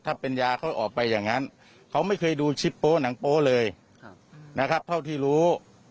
ถ้าเป็นยาเขาออกไปอย่างนั้นเขาไม่เคยดูชิปโป๊หนังโป๊เลยนะครับเท่าที่รู้